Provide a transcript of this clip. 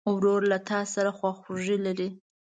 ورور له تا سره خواخوږي لري.